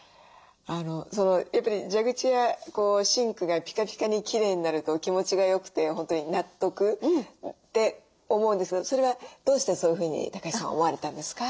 やっぱり蛇口やシンクがピカピカにきれいになると気持ちがよくて本当に納得って思うんですけどそれはどうしてそういうふうに橋さん思われたんですか？